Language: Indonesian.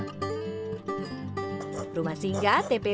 rumah singgah tpp berawat ratusan anjing yang dibuang